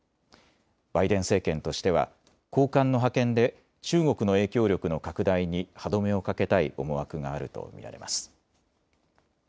バイデン政権としては高官の派遣で中国の影響力の拡大に歯止めをかけたい思惑があると見られます。